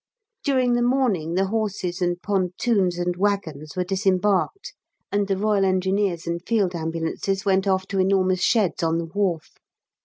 During the morning the horses and pontoons and waggons were disembarked, and the R.E. and Field Ambulances went off to enormous sheds on the wharf.